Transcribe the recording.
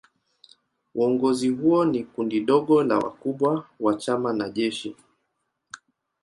Uongozi huo ni kundi dogo la wakubwa wa chama na jeshi.